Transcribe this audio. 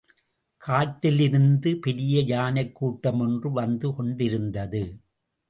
காட்டிலிருந்து பெரிய யானைக் கூட்டம் ஒன்று வந்து கொண்டிருந்தது.